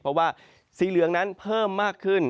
เพราะว่าสีเหลืองนั้นเพิ่มมากขึ้น